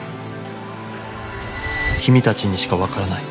「君たちにしかわからない」。